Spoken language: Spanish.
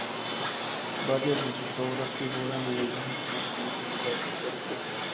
Varias de sus obras figuran en el Registro Nacional de Lugares Históricos.